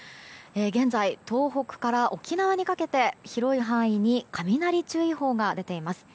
現在、東北から沖縄にかけて広い範囲に雷注意報が出ています。